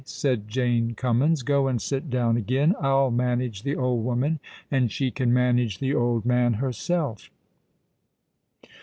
said Jane Cummins. "Go and sit down again—I'll manage the old woman—and she can manage the old man herself."